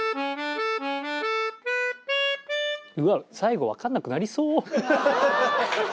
うわっ最後わかんなくなりそう！